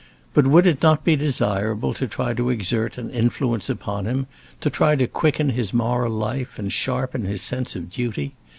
But would it not be desirable to try to exert an influence upon him, to try to quicken his moral life and sharpen his sense of duty?